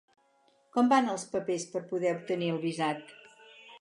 Com van els papers per poder obtenir el visat?